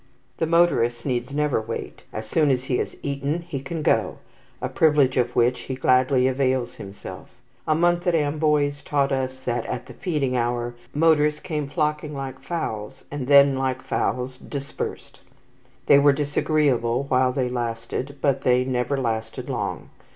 The motorist needs never wait. As soon as he has eaten, he can go, a privilege of which be gladly avails himself. A month at Amboise taught us that, at the feeding hour, motors came flocking like fowls, and then, like fowls, dispersed. They were disagreeable while they lasted, but they never lasted long.